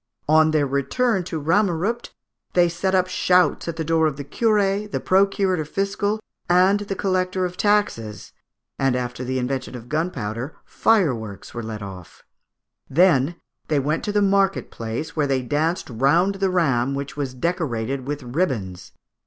On their return into Ramerupt they set up shouts at the door of the curé, the procurator fiscal, and the collector of taxes, and, after the invention of gunpowder, fireworks were let off. They then went to the market place, where they danced round the ram, which was decorated with ribbons.